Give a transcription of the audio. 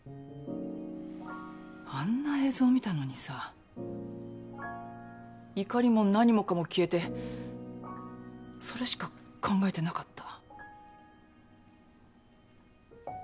あんな映像見たのにさ怒りも何もかも消えてそれしか考えてなかった。